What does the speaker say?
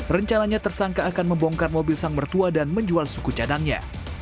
rencananya tersangka akan membongkar mobil sang mertua dan menjual suku cadangnya